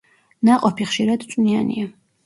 ნაყოფი ხშირად წვნიანია.